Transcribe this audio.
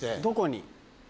どこに？